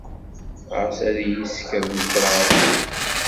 Ɣas ad iyi-ssekren ṭṭrad.